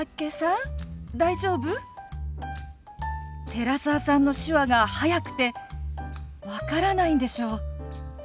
寺澤さんの手話が速くて分からないんでしょ。